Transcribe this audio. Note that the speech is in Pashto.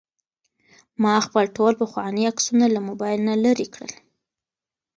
ما خپل ټول پخواني عکسونه له موبایل نه لرې کړل.